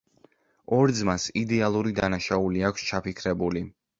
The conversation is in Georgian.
ორ ძმას იდეალური დანაშაული აქვს ჩაფიქრებული.